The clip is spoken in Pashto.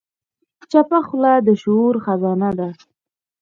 چپه خوله، د شعور خزانه ده.